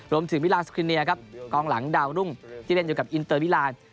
มิลานสคริเนียครับกองหลังดาวรุ่งที่เล่นอยู่กับอินเตอร์มิลาน